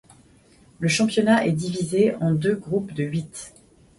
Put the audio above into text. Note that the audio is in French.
Le championnat est divisé en deux groupes de huit.